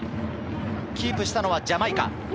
キープしたのはジャマイカ。